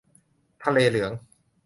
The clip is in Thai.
ทะเลเหลือง